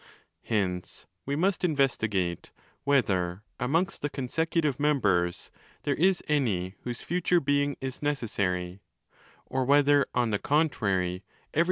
Hence we must investigate whether, amongst the consecutive members, there is any whose future being is necessary ; or whether, on the contrary, every one + i.